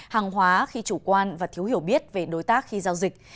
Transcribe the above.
hàng hóa khi chủ quan và thiếu hiểu biết về đối tác khi giao dịch